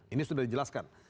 ini sudah dijelaskan